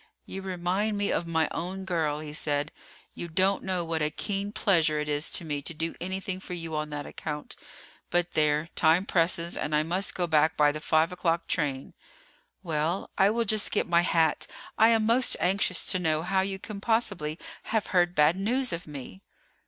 "You remind me of my own girl," he said. "You don't know what a keen pleasure it is to me to do anything for you on that account; but there, time presses, and I must go back by the five o'clock train." "Well, I will just get my hat. I am most anxious to know how you can possibly have heard bad news of me."